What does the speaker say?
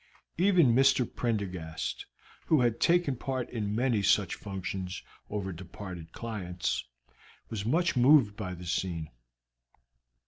Even Mr. Prendergast, who had taken part in many such functions over departed clients, was much moved by the scene.